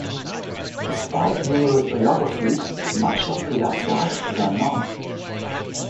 Despite numerous biographies, much of Piaf's life is unknown.